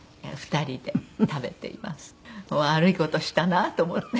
悪い事したなと思って。